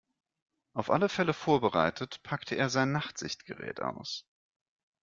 Auf alle Fälle vorbereitet packte er sein Nachtsichtgerät aus.